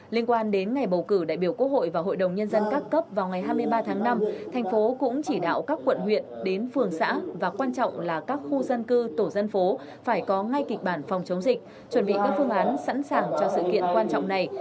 liên quan đến ngày bầu cử đại biểu quốc hội và hội đồng nhân dân các cấp vào ngày hai mươi ba tháng năm thành phố cũng chỉ đạo các quận huyện đến phường xã và quan trọng là các khu dân cư tổ dân phố phải có ngay kịch bản phòng chống dịch chuẩn bị các phương án sẵn sàng cho sự kiện quan trọng này